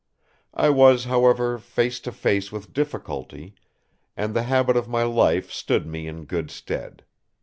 I was, however, face to face with difficulty; and the habit of my life stood me in good stead.